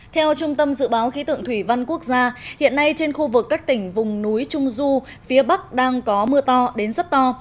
theo trung tâm dự báo khí tượng thủy văn quốc gia hiện nay trên khu vực các tỉnh vùng núi trung du phía bắc đang có mưa to đến rất to